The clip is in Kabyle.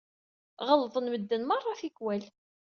Ɣellḍen medden merra tikwal.